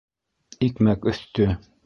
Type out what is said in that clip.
- Икмәк өҫтө.